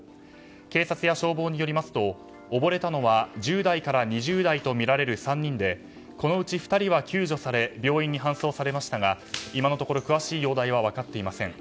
警察や消防によりますと溺れたのは１０代から２０代とみられる３人でこのうち２人は救助され病院に搬送されましたが今のところ詳しい容体は分かっていません。